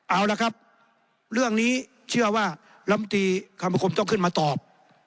เอาละครับเรื่องนี้เชื่อว่าลำตีคำคมต้องขึ้นมาตอบ